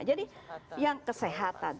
jadi yang kesehatan